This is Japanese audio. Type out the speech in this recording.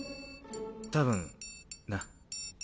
たぶんな。